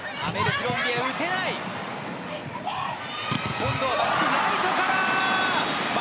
今度はバックライトから！